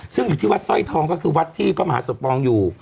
ซึ่งอยู่ที่วัดสร้อยทองก็คือวัดที่พระมหาสมปองอยู่